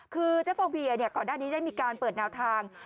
คือเจ๊ฟอเวียก่อนหน้านี้ได้มีการเปิดแนวทาง